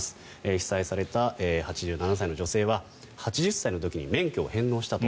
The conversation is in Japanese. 被災された８７歳の女性は８０歳の時に免許を返納したと。